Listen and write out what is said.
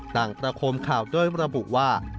ต่างตระคมข่าวด้วยระบุว่า